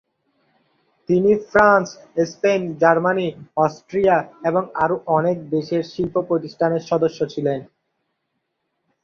তিনি France, Spain, Germany, Austria এবং আরও অনেক দেশের শিল্প প্রতিষ্ঠানের সদস্য ছিলেন।